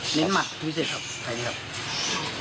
เฮ้ยฟันต่อยครับเน็ตหมัดพิวเซปครับ